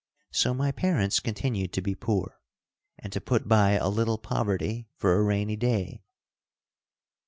So my parents continued to be poor, and to put by a little poverty for a rainy day.